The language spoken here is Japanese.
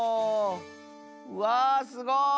わすごい！